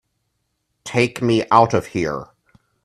Take me out of here!